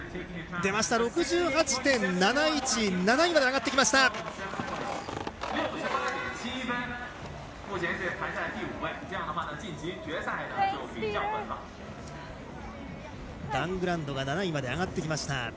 ７位まで上がってきました。